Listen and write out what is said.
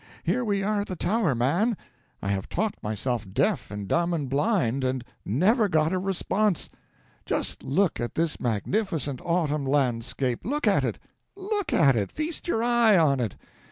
Here we are at the Tower, man! I have talked myself deaf and dumb and blind, and never got a response. Just look at this magnificent autumn landscape! Look at it! look at it! Feast your eye on it!